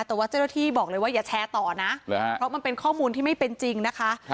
แต่ว่าเจ้าหน้าที่บอกเลยว่าอย่าแชร์ต่อนะเพราะมันเป็นข้อมูลที่ไม่เป็นจริงนะคะ